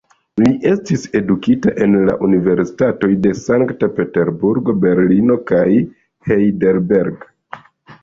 Li estis edukita en la universitatoj de Sankt-Peterburgo, Berlino kaj Heidelberg.